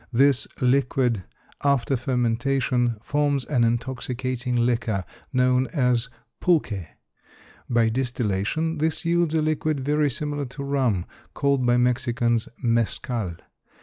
This liquid, after fermentation, forms an intoxicating liquor known as pulque. By distillation, this yields a liquid, very similar to rum, called by the Mexicans mescal.